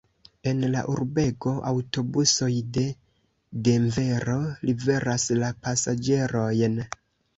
En la urbego aŭtobusoj de Denvero liveras la pasaĝerojn.